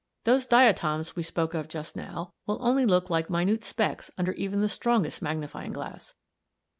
Those diatoms we spoke of just now will only look like minute specks under even the strongest magnifying glass.